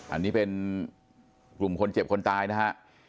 อันนี้เป็นกลุ่มคนเจ็บคนตายนะฮะ